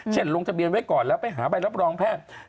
ลงทะเบียนไว้ก่อนแล้วไปหาใบรับรองแพทย์